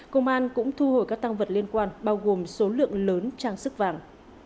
công an cũng thu hồi các tăng vật liên quan bao gồm số lượng lớn trang sức vàng